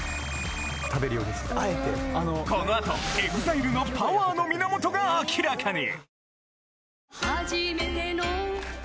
このあとＥＸＩＬＥのパワーの源が明らかに！